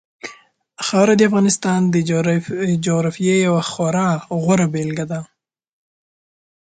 خاوره د افغانستان د جغرافیې یوه خورا غوره بېلګه ده.